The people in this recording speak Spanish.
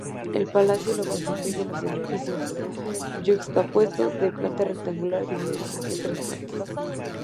El palacio lo constituyen dos edificios yuxtapuestos de planta rectangular divididos en tres plantas.